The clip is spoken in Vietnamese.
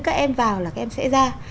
các em vào là các em sẽ ra